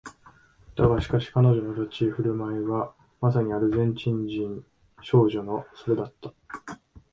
だがしかし彼女の立ち居振る舞いはまさにアルゼンチン人少女のそれだった